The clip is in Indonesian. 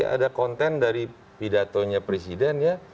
ada konten dari pidatonya presiden ya